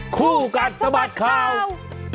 คู่กัดสะบัดข่าว